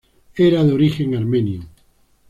Era de origen armenio.